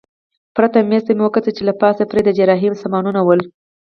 پراته مېز ته مې وکتل چې له پاسه پرې د جراحۍ سامانونه ول.